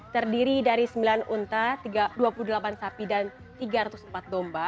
terdiri dari sembilan unta dua puluh delapan sapi dan tiga ratus empat domba